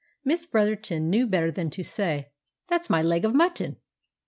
Miss Bretherton knew better than to say, "That's my leg of mutton."